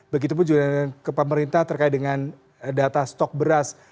begitupun juga ke pemerintah terkait dengan data stok beras